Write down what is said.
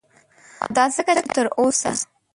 او دا ځکه چه تر اوسه